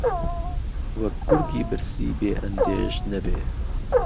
وهک گورگی برسی بێ ئهندێش نهبێ